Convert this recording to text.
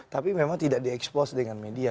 tapi memang tidak di expose dengan media